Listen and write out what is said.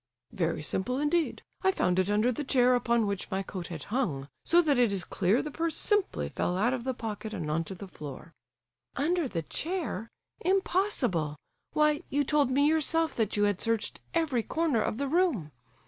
"Very simply indeed! I found it under the chair upon which my coat had hung; so that it is clear the purse simply fell out of the pocket and on to the floor!" "Under the chair? Impossible! Why, you told me yourself that you had searched every corner of the room?